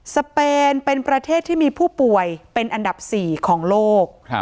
สเปนเป็นประเทศที่มีผู้ป่วยเป็นอันดับ๔ของโลก